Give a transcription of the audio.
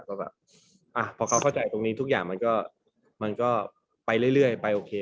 ก็แบบพอเขาเข้าใจตรงนี้ทุกอย่างมันก็มันก็ไปเรื่อยไปโอเค